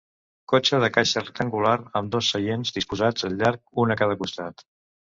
Cotxe de caixa rectangular amb dos seients disposats al llarg, un a cada costat.